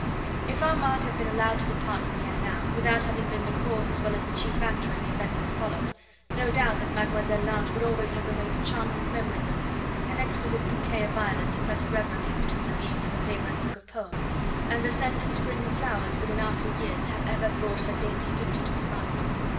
If Armand had been allowed to depart from here now, without having been the cause as well as the chief actor in the events that followed, no doubt that Mademoiselle Lange would always have remained a charming memory with him, an exquisite bouquet of violets pressed reverently between the leaves of a favourite book of poems, and the scent of spring flowers would in after years have ever brought her dainty picture to his mind.